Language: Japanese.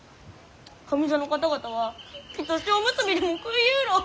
上座の方々はきっと塩むすびでも食いゆうろう！